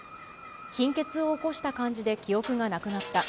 貧血を起こした感じで記憶がなくなった。